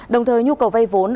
đồng thời nhu cầu vay vốn